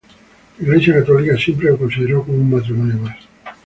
La Iglesia católica siempre lo consideró como un matrimonio más.